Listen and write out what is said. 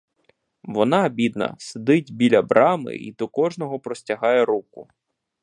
Вона, бідна, сидить біля брами й до кожного простягає руку.